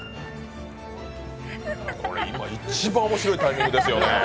これ、今一番面白いタイミングですよね。